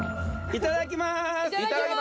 いただきまーす